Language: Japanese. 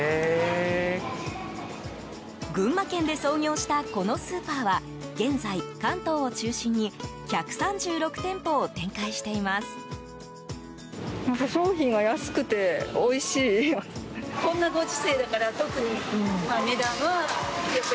群馬県で創業したこのスーパーは現在関東を中心に１３６店舗を展開しています。